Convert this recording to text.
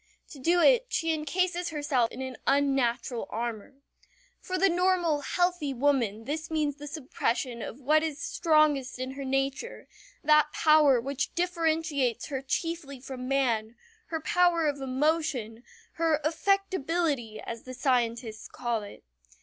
To do it she incases herself in an unnatural armor. For the normal, healthy woman this means the suppression of what is strongest in her nature, that power which differentiates her chiefly from man, her power of emotion, her "affectability" as the scientists call it.